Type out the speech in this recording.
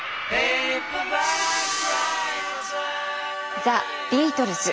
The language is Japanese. ザ・ビートルズ。